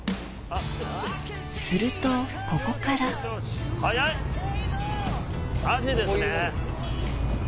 するとここからアジですね。